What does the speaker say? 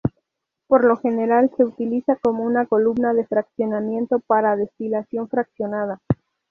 Por lo general se utiliza como una columna de fraccionamiento para destilación fraccionada.